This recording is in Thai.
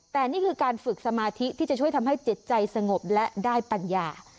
แต่นี่คือการฝึกสมาธิที่จะช่วยทำให้จิตใจสงบและได้ปัญญา